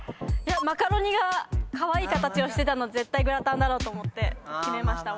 マカロニがカワイイ形をしてたので絶対グラタンだろうと思って決めました。